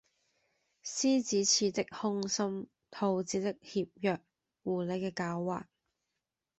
獅子似的凶心，兔子的怯弱，狐狸的狡猾，……